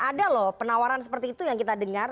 ada loh penawaran seperti itu yang kita dengar